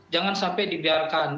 jangan sampai dibiarkan